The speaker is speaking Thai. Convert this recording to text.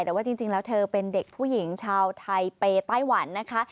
แต่ว่าจริงแล้วเธอเป็นเด็กผู้หญิงชาวไทเปไต้หวันนะคะ